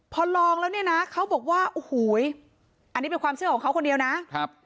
พอลองแล้วเนี่ยนะเขาบอกว่าโอ้โหอันนี้เป็นความเชื่อของเขาคนเดียวนะครับ